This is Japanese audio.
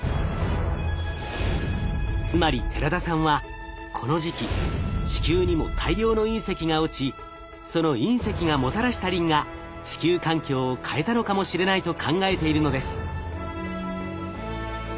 つまり寺田さんはこの時期地球にも大量の隕石が落ちその隕石がもたらしたリンが地球環境を変えたのかもしれないと考えているのです。